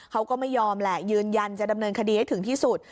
เขาก็ไม่ยอมแหละยืนยันจะดำเนินคดีให้ถึงที่สุด